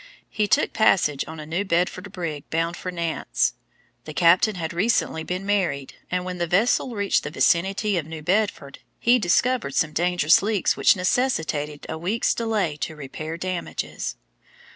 He took passage on a New Bedford brig bound for Nantes. The captain had recently been married and when the vessel reached the vicinity of New Bedford, he discovered some dangerous leaks which necessitated a week's delay to repair damages.